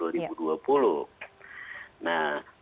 nah beliau memiliki